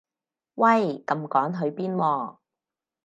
喂咁趕去邊喎